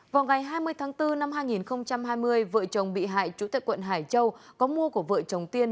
vào ngày hai mươi tháng bốn năm hai nghìn hai mươi vợ chồng bị hại chủ tịch quận hải châu có mua của vợ chồng tiên